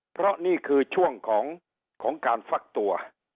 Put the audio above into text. เพราะนี่คือช่วงของการฟักตัว